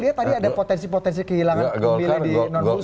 tapi ada liat tadi ada potensi potensi kehilangan pemilihan di non muslim